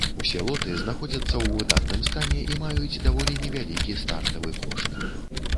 Усе лоты знаходзяцца ў выдатным стане і маюць даволі невялікі стартавы кошт.